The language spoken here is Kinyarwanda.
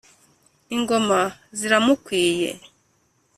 Ingoma ziramukwiye .